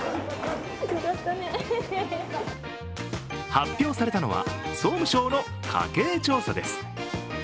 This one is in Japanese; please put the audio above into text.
発表されたのは総務省の家計調査です。